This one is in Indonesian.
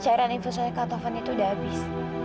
cairan infusnya katovan itu udah habis